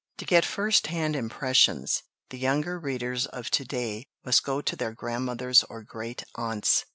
To get first hand impressions, the younger readers of to day must go to their grandmothers or great aunts.